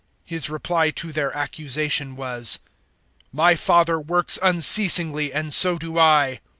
005:017 His reply to their accusation was, "My Father works unceasingly, and so do I."